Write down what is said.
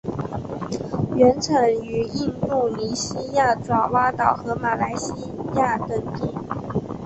原产于印度尼西亚爪哇岛和马来西亚等地。